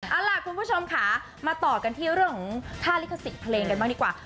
เอาล่ะคุณผู้ชมค่ะมาต่อกันที่เรื่องของค่าลิขสิทธิ์เพลงกันบ้างดีกว่า